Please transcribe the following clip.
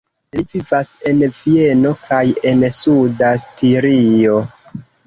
Li vivas en Vieno kaj en Suda Stirio.